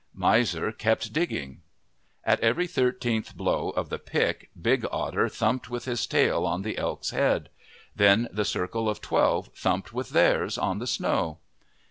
Miser kept digging. At every thirteenth blow of the pick Big Otter thumped with his tail on the elk's head. Then the circle of twelve thumped with theirs on the snow.